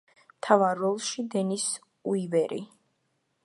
მთავარ როლში დენის უივერი.